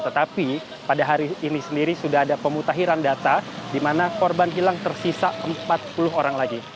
tetapi pada hari ini sendiri sudah ada pemutahiran data di mana korban hilang tersisa empat puluh orang lagi